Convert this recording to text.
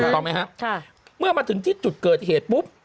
ตอนนี้ถึงจุดเกิดเหตุ